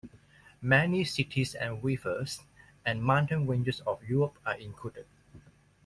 Many cities and rivers, and mountain ranges of Europe are included.